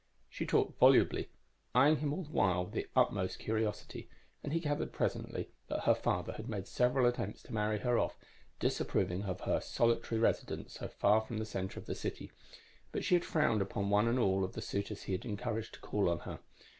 She talked volubly, eyeing him all the while with the utmost curiosity, and he gathered presently that her father had made several attempts to marry her off, disapproving of her solitary residence so far from the center of the city; but she had frowned upon one and all of the suitors he had encouraged to call on her.